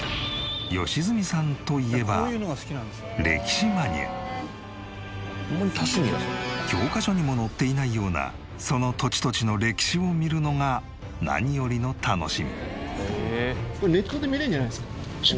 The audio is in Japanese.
良純さんといえば教科書にも載っていないようなその土地土地の歴史を見るのが何よりの楽しみ。